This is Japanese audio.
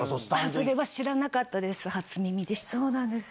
それは知らなかったです、初耳です。